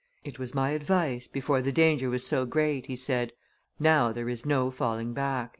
"It was my advice, before the danger was so great," he said; "now there is no falling back."